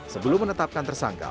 sebelum menetapkan tersangka